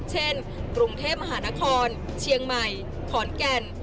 กรุงเทพมหานครเชียงใหม่ขอนแก่น